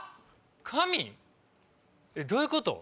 紙？どういうこと？